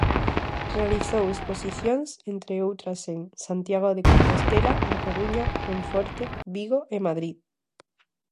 Realizou exposicións, entre outras en, Santiago de Compostela, A Coruña, Monforte, Vigo e Madrid.